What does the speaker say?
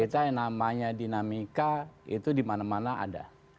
kita yang namanya dinamika itu dimana mana ada